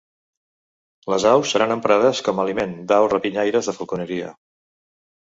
Les aus seran emprades com aliment d’aus rapinyaires de falconeria.